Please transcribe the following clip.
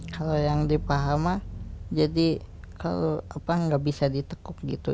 kalau yang dipaham mah jadi kalau apa nggak bisa ditekuk gitu